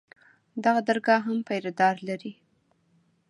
دغه درګاه هم پيره دار لري.